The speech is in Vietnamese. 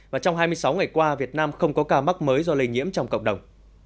và trong hai mươi sáu ngày qua việt nam không có ca mắc mới do lây nhiễm trong cộng đồng